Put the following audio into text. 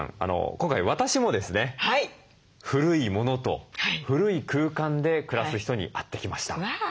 今回私もですね古いものと古い空間で暮らす人に会ってきました。